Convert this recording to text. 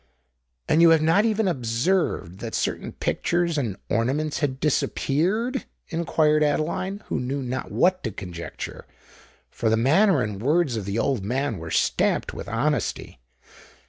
"And you have not even observed that certain pictures and ornaments had disappeared?" inquired Adeline, who knew not what to conjecture—for the manner and words of the old man were stamped with honesty.